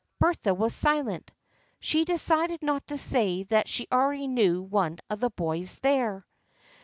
Bertha was silent. She decided not to say that she already knew one of the boys there.